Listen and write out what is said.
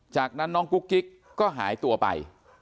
จากนั้นน้องกุ๊กกิ๊กก็หายตัวไป